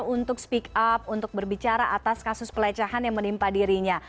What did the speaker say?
untuk speak up untuk berbicara atas kasus pelecehan yang menimpa dirinya